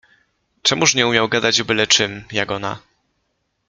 Czemuż nie umiał gadać o byle czym, jak ona?